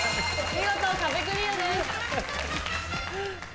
見事壁クリアです。